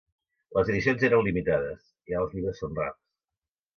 Les edicions eren limitades, i ara els llibres són rars.